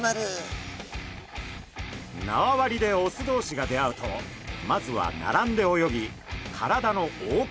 縄張りでオス同士が出会うとまずは並んで泳ぎ体の大きさを比べます。